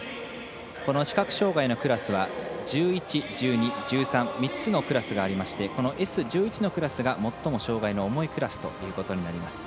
この視覚障がいのクラスは１１、１２、１３３つのクラスがありましてこのＳ１１のクラスが最も障がいの重いクラスということになります。